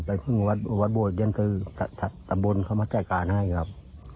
ไปพึ่งวัดวัดบวชเย็นซือตะตะตะบนเขามาแจการให้ครับ